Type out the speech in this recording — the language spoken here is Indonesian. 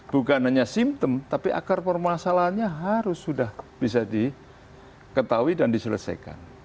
bukan hanya simptom tapi akar permasalahannya harus sudah bisa diketahui dan diselesaikan